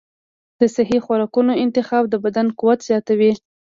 د صحي خوراکونو انتخاب د بدن قوت زیاتوي.